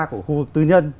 của khu vực tư nhân